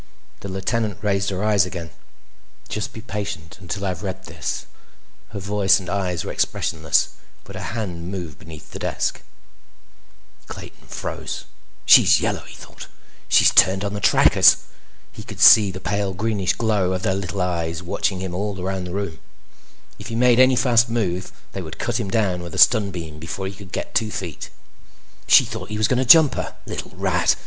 The lieutenant raised her eyes again. "Just be patient until I've read this." Her voice and eyes were expressionless, but her hand moved beneath the desk. The frightful carnage would go down in the bloody history of space. Clayton froze. She's yellow! he thought. She's turned on the trackers! He could see the pale greenish glow of their little eyes watching him all around the room. If he made any fast move, they would cut him down with a stun beam before he could get two feet. She had thought he was going to jump her. _Little rat!